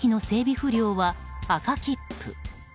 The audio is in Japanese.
不良は赤切符。